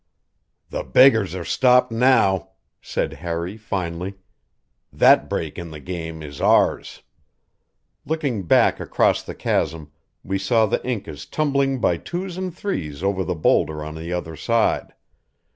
"The beggars are stopped now," said Harry finally. "That break in the game is ours." Looking back across the chasm, we saw the Incas tumbling by twos and threes over the boulder on the other side.